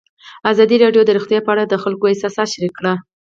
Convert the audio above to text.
ازادي راډیو د روغتیا په اړه د خلکو احساسات شریک کړي.